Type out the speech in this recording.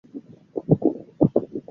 怎么愿意会被碾成粉末？